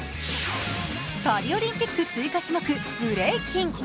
パリオリンピック追加種目ブレイキン。